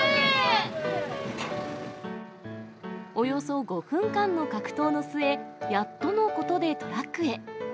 およそ５分間の格闘の末、やっとのことでトラックへ。